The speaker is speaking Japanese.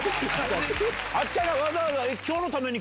あっちゃんがわざわざ。